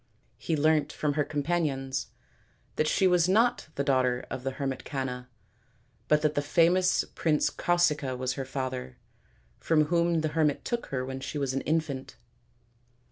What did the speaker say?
He learnt from her companions that she was not the daughter of the hermit Canna, but that the famous prince Causica was her father, from whom the hermit took her when she was an infant.